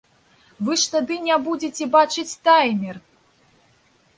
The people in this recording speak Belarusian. Вы ж тады не будзеце бачыць таймер!